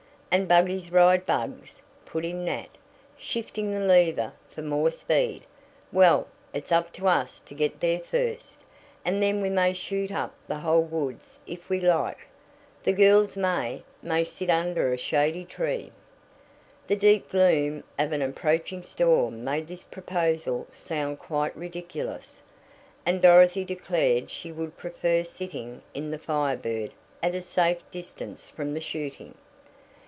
"And buggies ride bugs," put in Nat, shifting the lever for more speed. "Well, it's up to us to get there first, and then we may shoot up the whole woods if we like. The girls may may sit under a shady tree." The deep gloom of an approaching storm made this proposal sound quite ridiculous, and Dorothy declared she would prefer sitting in the Fire Bird at a safe distance from the shooting.